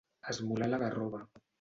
Esmolar la garrova.